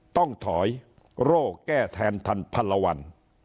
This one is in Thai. ต้องถอยโร่แก้แทนทันพันละวัน